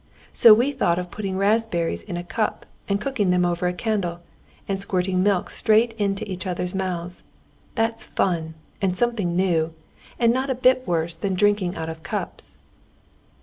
So we thought of putting raspberries in a cup, and cooking them over a candle, and squirting milk straight into each other's mouths. That's fun, and something new, and not a bit worse than drinking out of cups."